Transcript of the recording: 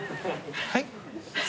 はい？